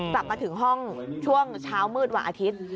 กลับมาถึงห้องช่วงเช้ามืดวันอาทิตย์